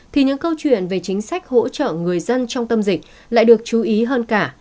thì những câu chuyện về chính sách hỗ trợ người dân trong tâm dịch lại được chú ý hơn cả